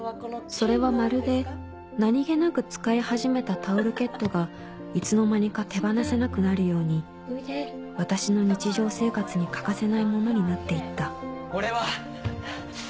それはまるで何げなく使い始めたタオルケットがいつの間にか手放せなくなるように私の日常生活に欠かせないものになって行った俺は。